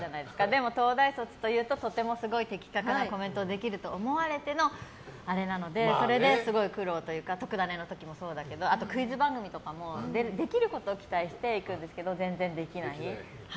でも東大卒というととてもすごい的確なコメントできると思われてのあれなのでそれですごい苦労というか「とくダネ！」の時もそうだけどクイズ番組とかもできることを期待していくんですけど全然できない。